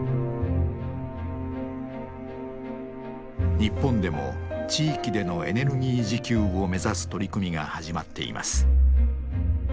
日本でも地域でのエネルギー自給を目指す取り組みが始まっています。